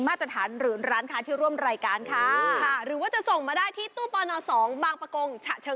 อย่างหนูแล้วใครจะเป็นผู้ชมดีวันนี้